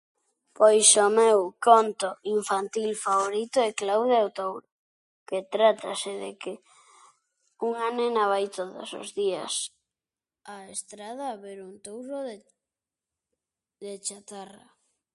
Pois o meu conto infantil favorito é Claudia e o touro que trátase de que unha nena vai todos os días a estrada a ver un touro de de chatarra.